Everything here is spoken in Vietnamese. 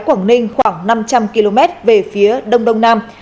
quảng ninh khoảng năm trăm linh km về phía đông đông nam